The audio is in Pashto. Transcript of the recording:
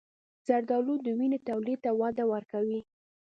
زردآلو د وینې تولید ته وده ورکوي.